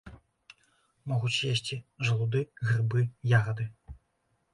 Могуць есці жалуды, грыбы, ягады.